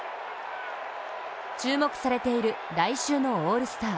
注目されている来週のオールスター。